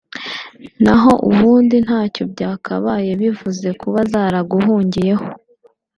naho ubundi ntacyo byakabaye bivuze kuba zaraguhungiyeho